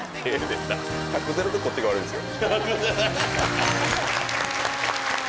１０００でこっちが悪いんすよ